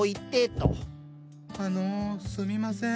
・あのすみません。